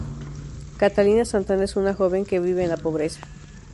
Catalina Santana es una joven que vive en la pobreza.